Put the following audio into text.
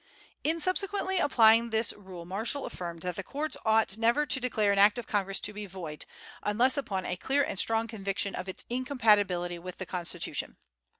In subsequently applying this rule, Marshall affirmed that the courts ought never to declare an Act of Congress to be void "unless upon a clear and strong conviction of its incompatibility with the Constitution."